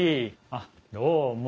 あっどうも。